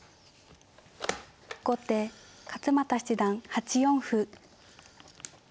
後手勝又七段８四歩。